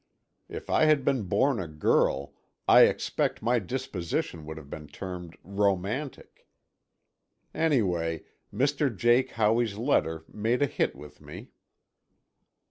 If I had been born a girl I expect my disposition would have been termed romantic. Anyway, Mr. Jake Howey's letter made a hit with me.